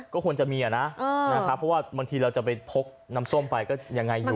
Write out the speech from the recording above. ก็ควรจะมีล่ะนะเพราะว่าบางทีเราจะไปพกน้ำส้มก็จะให้อยู่